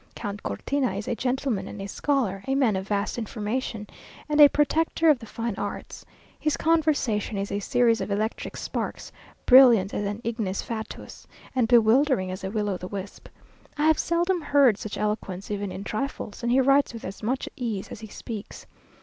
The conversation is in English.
Count Cortina is a gentleman and a scholar, a man of vast information, and a protector of the fine arts. His conversation is a series of electric sparks; brilliant as an ignis fatuus, and bewildering as a will o' the wisp. I have seldom heard such eloquence even in trifles; and he writes with as much ease as he speaks.